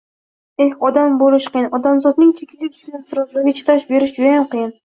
Eh, odam boʻlish qiyin, odamzodning chekiga tushgan iztiroblarga chidash berish judayam qiyin